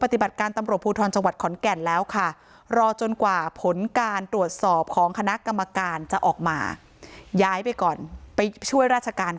ไปช่วยราชการ